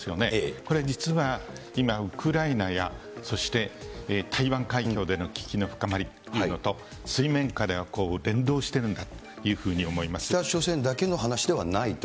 これ実は、今、ウクライナや、そして台湾海峡での危機の高まりというのと、水面下で連動してる北朝鮮だけの話ではないとい